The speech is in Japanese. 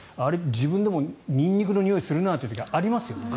自分でもニンニクのにおいする時ありますよね。